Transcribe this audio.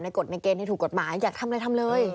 กฎในเกณฑ์ที่ถูกกฎหมายอยากทำอะไรทำเลย